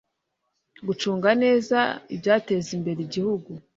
gucunga neza ibyateza imbere igihugu